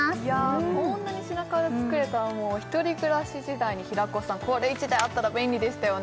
こんなに品数作れたら１人暮らし時代に平子さんこれ１台あったら便利でしたよね？